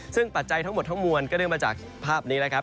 ซึ่งปัจจัยทั้งหมดทั้งมวลก็เนื่องมาจากภาพนี้นะครับ